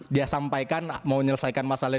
dia sampaikan mau menyelesaikan masalah